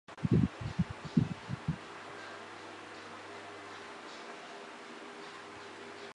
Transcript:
科列诺农村居民点是俄罗斯联邦沃罗涅日州新霍皮奥尔斯克区所属的一个农村居民点。